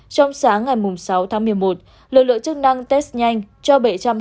trong sáng ngày sáu tháng một mươi một lực lượng chức năng test nhanh cho bảy trăm linh